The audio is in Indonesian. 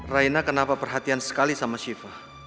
rena kenapa perhatian sekali sama siva